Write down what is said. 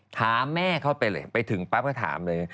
ถามแม่เข้าไปเลยไปถึงปั๊บก็ถามเลย